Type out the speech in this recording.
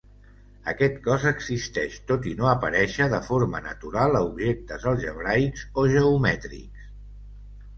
Aquest cos existeix tot i no aparèixer de forma natural a objectes algebraics o geomètrics.